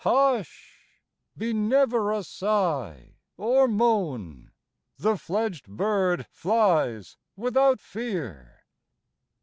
Hush, be never a sigh or moan : The fledged bird flies without fear.